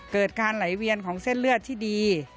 เกิดการไหลเวียนของเส้นเลือดที่ดี